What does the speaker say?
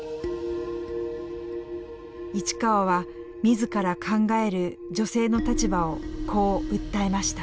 市川は自ら考える女性の立場をこう訴えました。